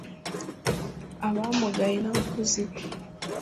abamugaye n'abakozi be